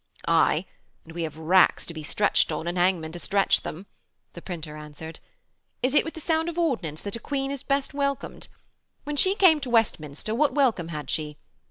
'Aye, and we have racks to be stretched on and hang men to stretch them,' the printer answered. 'Is it with the sound of ordnance that a Queen is best welcomed? When she came to Westminster, what welcome had she?